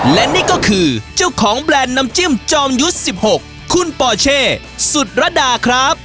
และนี่ก็คือเจ้าของแบรนด์น้ำจิ้มจอมยุทธ์๑๖คุณปอเช่สุดรดาครับ